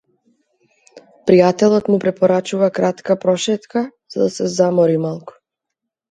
Пријателот му препорачува кратка прошетка, за да се замори малку.